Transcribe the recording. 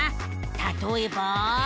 たとえば。